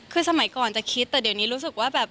คือสมัยก่อนจะคิดแต่เดี๋ยวนี้รู้สึกว่าแบบ